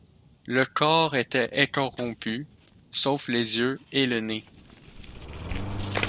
Le corps était incorrompu, sauf les yeux et le nez.